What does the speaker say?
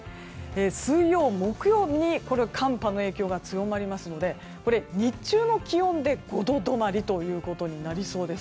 水曜、木曜に寒波の影響が強まりますので日中の気温で５度止まりということになりそうです。